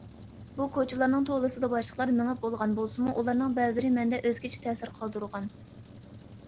بۇ كوچىلارنىڭ تولىسىدا باشقىلار مېڭىپ بولغان بولسىمۇ، ئۇلارنىڭ بەزىلىرى مەندە ئۆزگىچە تەسىر قالدۇرغان.